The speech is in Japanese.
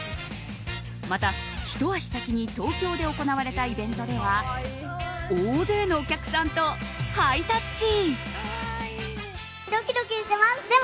また、ひと足先に東京で行われたイベントでは大勢のお客さんとハイタッチ。